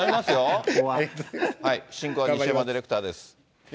進行は西山ディレクターです。